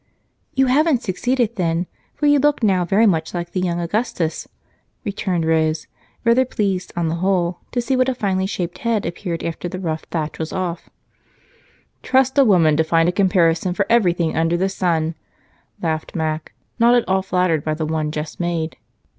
"You haven't succeeded then, for you look now very much like the young Augustus," returned Rose, rather pleased on the whole to see what a finely shaped head appeared after the rough thatch was off. "Trust a woman to find a comparison for everything under the sun!" laughed Mac, not at all flattered by the one just made.